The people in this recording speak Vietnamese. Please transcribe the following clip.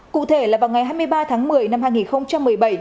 cụ thể là vào ngày hai mươi ba tháng một mươi năm hai nghìn một mươi bảy